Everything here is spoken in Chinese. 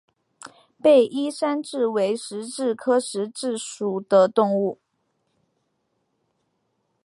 被衣山蛭为石蛭科石蛭属的动物。